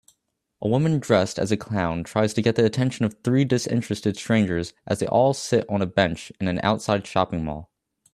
A woman dressed as a clown tries to get the attention of three disinterested strangers as they all sit on a bench in an outside shopping mall